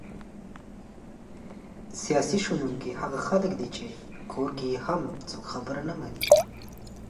سیاسي شنونکي هغه خلک دي چې کور کې یې هم څوک خبره نه مني!